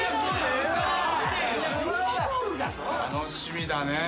楽しみだね。